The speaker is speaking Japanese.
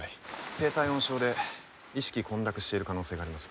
低体温症で意識混濁している可能性があります。